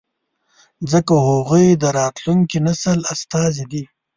ځکه هغوی د راتلونکي نسل استازي دي.